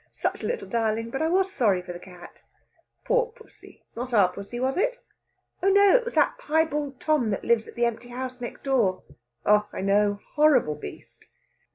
Such a little darling! But I was sorry for the cat." "Poor pussy! Not our pussy, was it?" "Oh no; it was that piebald Tom that lives in at the empty house next door." "I know. Horrible beast!"